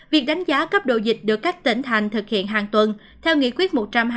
việc đánh giá cấp độ dịch được các tỉnh thành thực hiện hàng tuần theo nghị quyết một trăm hai mươi